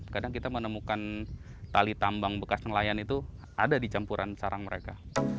kadang kita menemukan tali tambang bekas nelayan itu ada di campuran sarang mereka